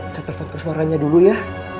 saya telepon kesemarannya dulu ya